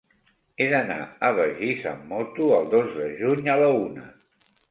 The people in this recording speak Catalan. He d'anar a Begís amb moto el dos de juny a la una.